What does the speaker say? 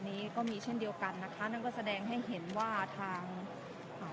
มีผู้ที่ได้รับบาดเจ็บและถูกนำตัวส่งโรงพยาบาลเป็นผู้หญิงวัยกลางคน